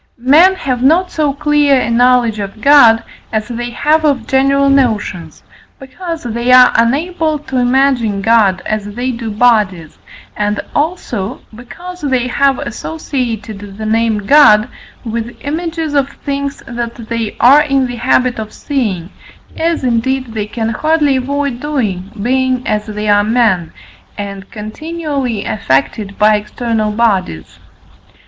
Men have not so clear a knowledge of God as they have of general notions, because they are unable to imagine God as they do bodies, and also because they have associated the name God with images of things that they are in the habit of seeing, as indeed they can hardly avoid doing, being, as they are, men, and continually affected by external bodies.